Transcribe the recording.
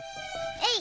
えい！